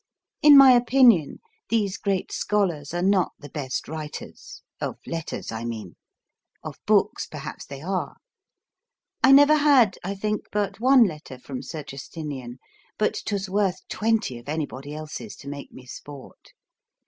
In my opinion these great scholars are not the best writers (of letters, I mean); of books, perhaps they are. I never had, I think, but one letter from Sir Justinian, but 'twas worth twenty of anybody's else to make me sport.